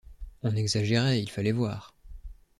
On exagérait, il fallait voir.